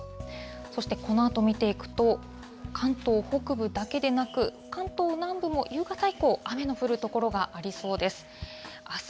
そしてこのあと見ていくと、関東北部だけでなく、関東南部も夕方以降、雨の降る所がありそうです。